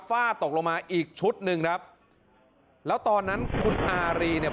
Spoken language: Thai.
ฟาดตกลงมาอีกชุดหนึ่งครับแล้วตอนนั้นคุณอารีเนี่ย